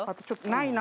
ないな。